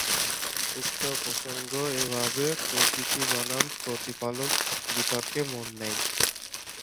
উক্ত প্রসঙ্গ এভাবে প্রকৃতি বনাম প্রতিপালন বিতর্কে মোড় নেয়।